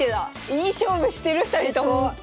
いい勝負してる２人とも！